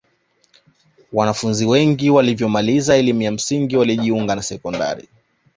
wanafunzi wengi waliyomaliza elimu ya msingi walijiunga na sekondari